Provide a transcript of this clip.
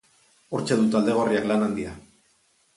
Hortxe du talde gorriak lan handia.